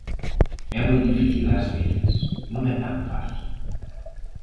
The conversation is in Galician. É moi difícil ás veces, non é tan fácil.